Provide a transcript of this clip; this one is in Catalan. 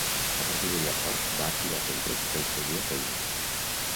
A partir de llavors va actuar sempre que aconseguia feina.